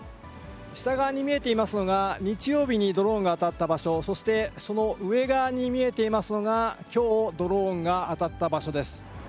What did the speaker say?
下側に見えていますのが、日曜日にドローンが当たった場所、そしてその上側に見えていますのが、きょう、ドローンが当たった場所です。